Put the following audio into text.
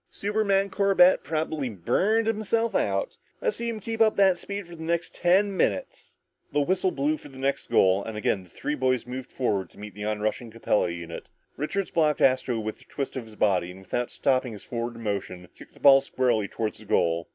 "Superman Corbett probably burned himself out! Let's see him keep up that speed for the next ten minutes!" The whistle blew for the next goal, and again the three boys moved forward to meet the onrushing Capella unit. Richards blocked Astro with a twist of his body, and without stopping his forward motion, kicked the ball squarely toward the goal.